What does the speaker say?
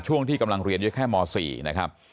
ช่วงที่กำลังเรียนอยู่แค่ม๔นะครับ